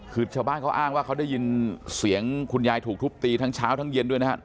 คือชาวบ้านเขาอ้างว่าเขาได้ยินเสียงคุณยายถูกทุบตีทั้งเช้าทั้งเย็นด้วยนะครับ